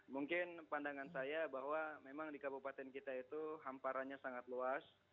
mungkin pandangan saya bahwa memang di kabupaten kita itu hamparannya sangat luas